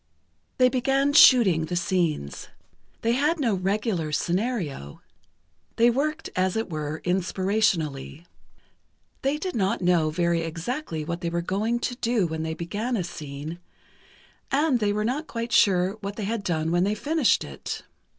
They began "shooting" the scenes. They had no regular scenario. They worked, as it were, inspirationally. They did not know very exactly what they were going to do when they began a scene, and they were not quite sure what they had done when they finished it.